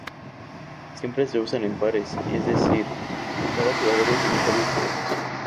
Siempre se usan en pares, es decir cada jugador utiliza dos tejos.